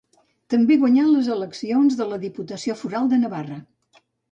També guanyà les eleccions a la Diputació Foral de Navarra.